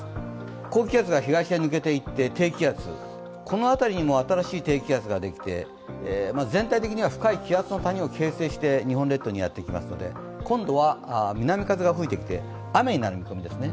高気圧が東に抜けていって、低気圧この辺りにも新しい低気圧ができて、全体的には深い気圧の谷を形成して日本列島にやってきますので、今度は南風が吹いてきて雨になる見込みですね。